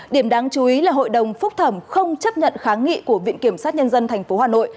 điểm đáng chú ý là hội đồng phúc thẩm không chấp nhận kháng nghị của viện kiểm sát nhân dân tp hà nội